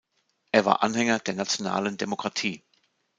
Er war Anhänger der Nationalen Demokratie.